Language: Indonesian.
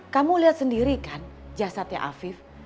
kamu lihat sendiri kan jasadnya afif